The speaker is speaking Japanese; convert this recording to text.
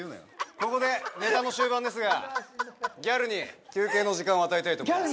ここでネタの終盤ですがギャルに休憩の時間を与えたいと思います